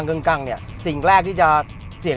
สำหรับหลุมใหญ่